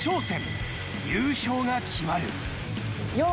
［優勝が決まる］